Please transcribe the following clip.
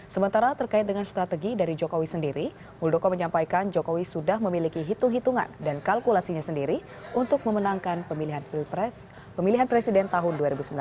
sementara terkait dengan strategi dari jokowi sendiri muldoko menyampaikan jokowi sudah memiliki hitung hitungan dan kalkulasinya sendiri untuk memenangkan pemilihan pemilihan presiden tahun dua ribu sembilan belas